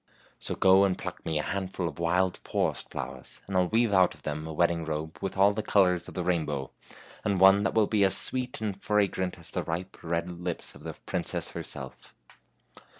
So go and pluck me a handful of wild forest flowers, and I'll weave out of them a wedding robe with all the colors of the rain bow, and one that will be as sweet and as fra grant as the ripe, red lips of the princess herself."